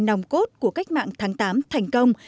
nòng cốt của cách mạng tháng tám thành công